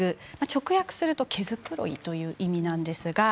直訳すると毛繕いという意味です。